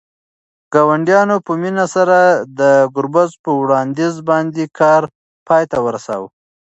ګاونډیانو په مینه سره د بزګر په وړاندیز باندې کار پای ته ورساوه.